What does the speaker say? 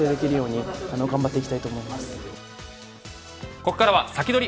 ここからはサキドリ！